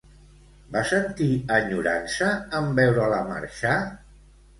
Va sentir enyorança en veure-la marxar?